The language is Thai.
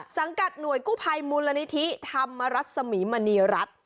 สังกัดหน่วยกู้ภัยมูลนิธิธรรมรัศมีมณีรัฐ